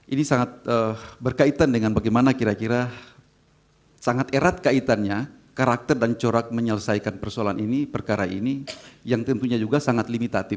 ini sangat berkaitan dengan bagaimana kira kira sangat erat kaitannya karakter dan corak menyelesaikan persoalan ini perkara ini yang tentunya juga sangat limitatif